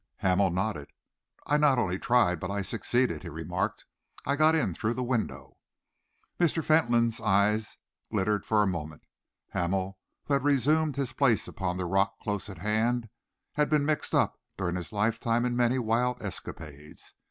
Hamel nodded. "I not only tried but I succeeded," he remarked. "I got in through the window." Mr. Fentolin's eyes glittered for a moment. Hamel, who had resumed his place upon the rock close at hand, had been mixed up during his lifetime in many wild escapades.